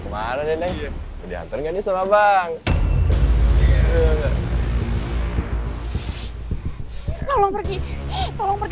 mau kemana nenek